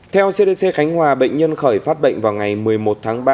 theo cdc khánh hòa bệnh nhân khởi phát bệnh vào ngày một mươi một tháng ba